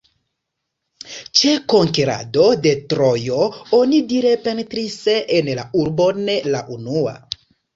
Ĉe konkerado de Trojo onidire penetris en la urbon la unua.